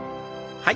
はい。